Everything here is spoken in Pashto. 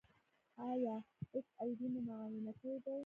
ایا ایچ آی وي مو معاینه کړی دی؟